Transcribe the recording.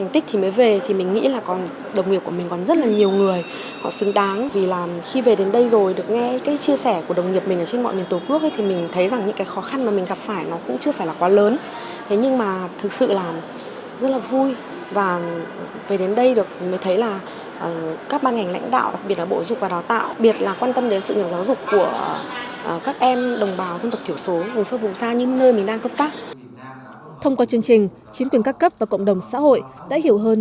thông qua chương trình chính quyền các cấp và cộng đồng xã hội đã hiểu hơn